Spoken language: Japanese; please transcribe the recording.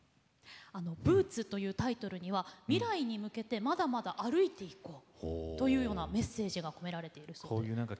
「Ｂｏｏｔｓ」というタイトルには未来に向けてまだまだ歩いていこうというメッセージが込められているそうです。